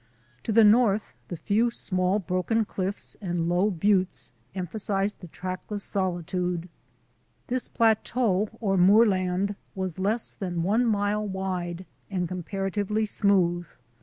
To the north the few small broken cliffs and low buttes emphasized the track less solitude. This plateau or moorland was less than one mile wide and comparatively smooth.